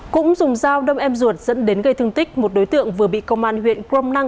cũng dùng dao đâm em ruột dẫn đến gây thương tích một đối tượng vừa bị công an huyện crom năng